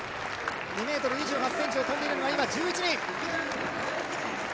２ｍ２８ｃｍを跳んでいるのは今は１１人。